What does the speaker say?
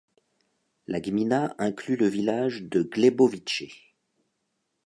La gmina inclut le village de Głębowice.